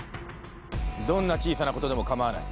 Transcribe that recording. どんな小さなことでも構わない。